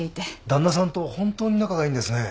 旦那さんと本当に仲がいいんですね。